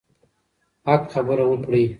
حق خبره وکړئ.